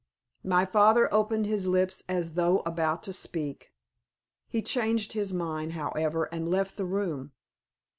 My father opened his lips as though about to speak. He changed his mind, however, and left the room.